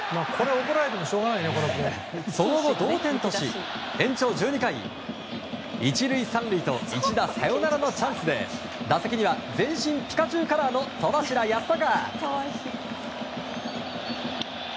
その後、同点とし延長１２回１塁３塁と一打サヨナラのチャンスで打席には全身ピカチュウカラーの戸柱恭孝。